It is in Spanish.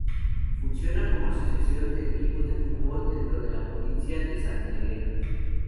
Funciona como asociación de equipos de fútbol dentro de la Provincia de Santa Elena.